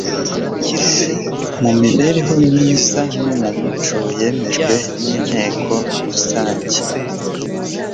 mu mibereho myiza no mu muco yemejwe n'inteko rusange